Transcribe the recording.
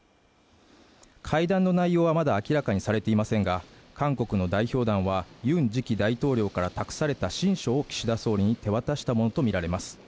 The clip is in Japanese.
会談の内容はまだ明らかにされていませんが韓国の代表団はユン次期大統領から託された親書を岸田総理に手渡したものと見られます